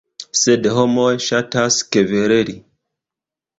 Sed homoj ŝatas kvereli.